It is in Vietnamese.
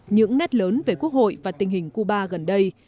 những nét lớn về quốc hội và tình hình cuba gần đây